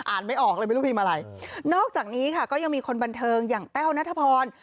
ไม่ออกเลยไม่รู้พิมพ์อะไรนอกจากนี้ค่ะก็ยังมีคนบันเทิงอย่างแต้วนัทพร